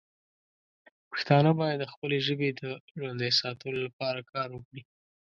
پښتانه باید د خپلې ژبې د ژوندی ساتلو لپاره کار وکړي.